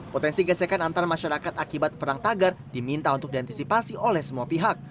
potensi gesekan antar masyarakat akibat perang tagar diminta untuk diantisipasi oleh semua pihak